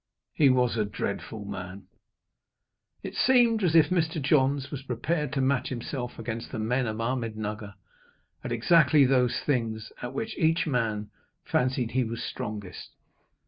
He was a dreadful man. It seemed as if Mr. Johns was prepared to match himself against the men of Ahmednugger at exactly those things at which each man fancied he was strongest.